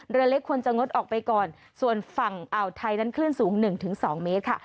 เรือเล็กควรจะงดออกไปก่อนส่วนฝั่งอ่าวไทยนั้นคลื่นสูง๑๒เมตรค่ะ